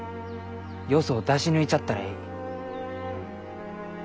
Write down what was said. よそを出し抜いちゃったらえい。